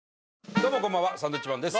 どうもこんばんはサンドウィッチマンです。